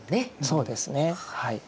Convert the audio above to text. そうですねはい。